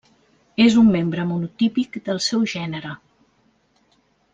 És un membre monotípic del seu gènere.